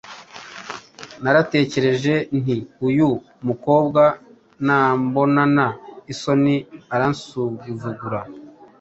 Naratekereje nti uyu mukobwa nambonana isoni aransuzugura